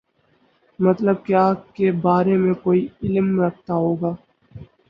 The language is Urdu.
مطلب کیا کے بارے میں کوئی علم رکھتا ہو گا